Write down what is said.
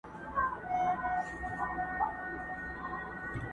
چي عطار هر څه شکري ورکولې!.